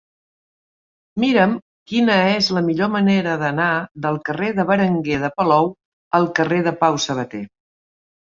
Mira'm quina és la millor manera d'anar del carrer de Berenguer de Palou al carrer de Pau Sabater.